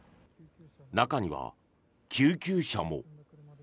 中には救急車も。